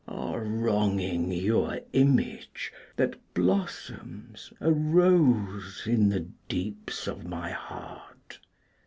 Are wronging your image that blossoms a rose in the deeps of my heart.